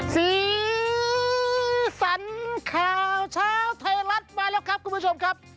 สีสันข่าวเช้าไทยรัฐมาแล้วครับคุณผู้ชมครับ